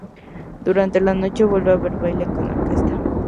Durante la noche vuelve a haber baile con orquesta.